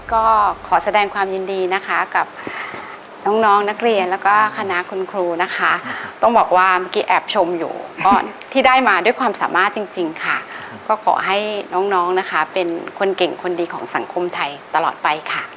ก็ขอแสดงความยินดีนะคะกับน้องน้องนักเรียนแล้วก็คณะคุณครูนะคะต้องบอกว่าเมื่อกี้แอบชมอยู่ก็ที่ได้มาด้วยความสามารถจริงค่ะก็ขอให้น้องนะคะเป็นคนเก่งคนดีของสังคมไทยตลอดไปค่ะ